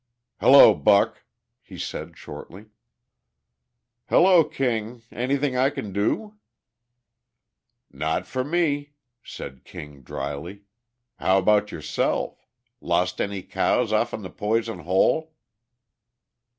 "Hello, Buck," he said shortly. "Hello, King. Anything I can do?" "Not for me," said King drily. "How about yourself? Lost any cows off'n the Poison Hole?"